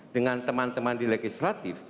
dengan teman teman di legislatif